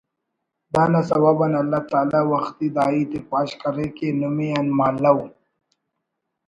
دانا سوب آن اللہ تعالیٰ وختی دا ہیت ءِ پاش کرے کہ نمے آن مہالو